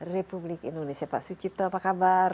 ketika di indonesia pak su cipto apa kabar